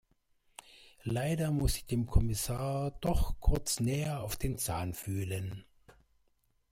Leider muss ich dem Kommissar doch kurz näher auf den Zahn fühlen.